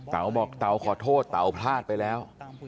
บอกเต๋าขอโทษเต๋าพลาดไปแล้ว